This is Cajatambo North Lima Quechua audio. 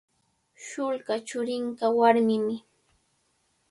Shullka churinqa warmimi.